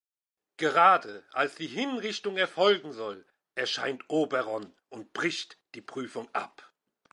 Gerade als die Hinrichtung erfolgen soll, erscheint Oberon und bricht die Prüfung ab.